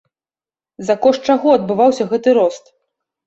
За кошт чаго адбываўся гэты рост?